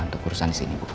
untuk urusan disini bu